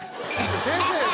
先生